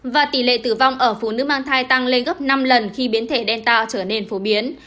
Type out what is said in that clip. và tỷ lệ tử vong ở phụ nữ mang thai tăng lên gấp năm lần khi biến thể đen tạo trở nên phổ biến